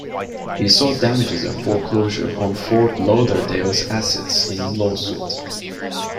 He sought damages and foreclosure on Fort Lauderdale's assets in the lawsuit.